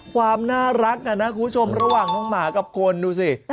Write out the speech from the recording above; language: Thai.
ความน่ารักน่ะนะคุณผู้ชมระหว่างน้องหมากับคนดูสิ